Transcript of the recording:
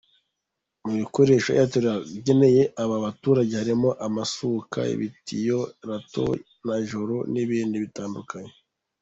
Mu bikoresho Airtel yageneye aba baturage harimo amasuka, ibitiyo, Lato, Najoro n’ibindi bitandukanye.